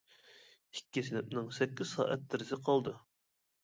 ئىككى سىنىپنىڭ سەككىز سائەت دەرسى قالدى.